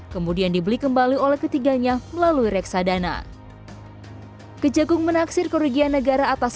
kemudian dibeli kembali oleh ketiganya melalui reksadana kejagung menaksir kerugian negara atas